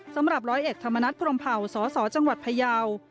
สำหรับร้อยเอกธรรมนัฐพรมเผ่าสสจังหวัดพยาว